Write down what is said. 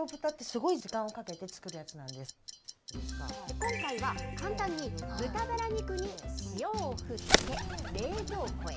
今回は簡単に、豚ばら肉に塩を振って、冷蔵庫へ。